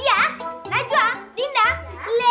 iya udah berhasil